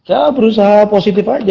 ya berusaha positif aja